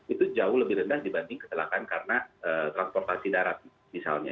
itu jauh lebih rendah dibanding kecelakaan karena transportasi darat misalnya